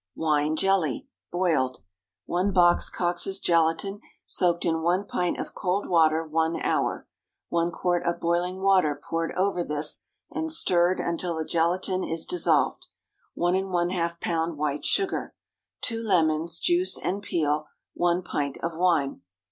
WINE JELLY (boiled.) 1 box Coxe's gelatine, soaked in 1 pint of cold water one hour. 1 quart of boiling water poured over this, and stirred until the gelatine is dissolved. 1½ lb. white sugar. 2 lemons—juice and peel. 1 pint of wine.